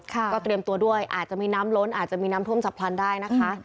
ก็เตรียมตัวด้วยอาจจะมีน้ำล้นอาจจะมีน้ำท่วมฉับพลันได้นะคะ